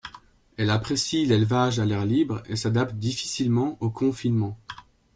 Elle apprécie l'élevage à l'air libre et s'adapte difficilement au confinement.